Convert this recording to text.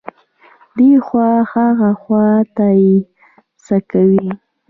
دې خوا ها خوا ته يې څکوي.